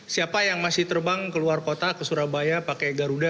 siapa yang masih terbang ke luar kota ke surabaya pakai garuda